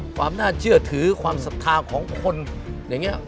ความน่าเชื่อถือความศรัทธาของคนอย่างนี้